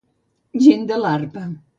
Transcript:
Gent de l'arpa.